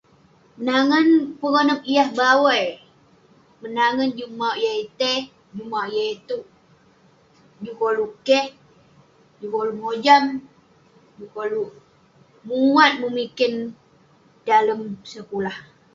Menangen pun konep yah bawai, menangen juk mauk yah itei, juk mauk yah itouk. Juk koluk keh, juk koluk mojam, juk koluk muat memiken dalem sekulah.